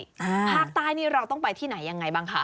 ภาคใต้นี่เราต้องไปที่ไหนยังไงบ้างคะ